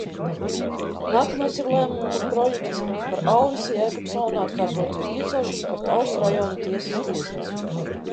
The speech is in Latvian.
"Nākamais ir lēmuma projekts "Par Alvisa Jēkabsona atkārtotu iecelšanu par Talsu rajona tiesas tiesnesi"."